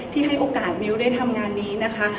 ที่ให้โอกาสมิวได้ทำงานนี้